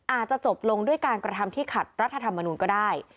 อาจจะจบลงด้วยการกระทำที่ขัดรัฐธรรมนูลก็ได้